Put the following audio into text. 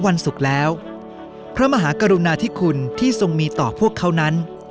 วันศุกร์แล้วพระมหากรุณาธิคุณที่ทรงมีต่อพวกเขานั้น